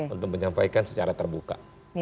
untuk menyampaikan secara terbuka